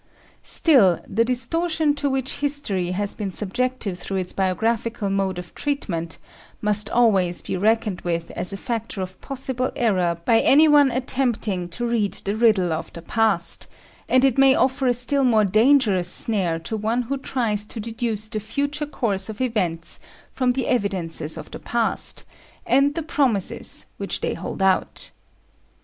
Still the distortion to which history has been subjected through its biographical mode of treatment must always be reckoned with as a factor of possible error by any one attempting to read the riddle of the past, and it may offer a still more dangerous snare to one who tries to deduce the future course of events from the evidences of the past, and the promises which they hold out.